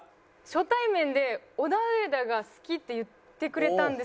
初対面で「オダウエダが好き」って言ってくれたんですよ。